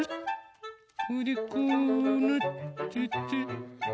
それでこうなってて。